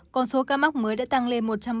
còn số ca mắc mới đã tăng lên một trăm bảy mươi hai ca